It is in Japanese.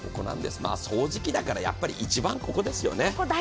掃除機だからやっぱり一番ここですよね。